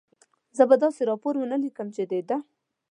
زه به داسې راپور و نه لیکم، چې د ده.